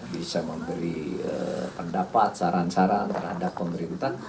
bisa memberi pendapat saran saran terhadap pemerintah